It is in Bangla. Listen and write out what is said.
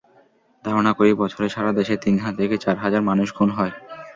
ধারণা করি, বছরে সারা দেশে তিন থেকে চার হাজার মানুষ খুন হয়।